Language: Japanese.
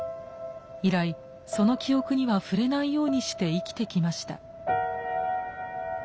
以来その記憶には触れないようにして生きてきました。